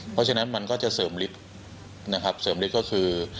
เพราะฉะนั้นมันก็จะเสริมฤทธิ์นะครับเสริมฤทธิ์ก็คือ